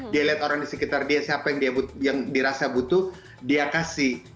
dia lihat orang di sekitar dia siapa yang dirasa butuh dia kasih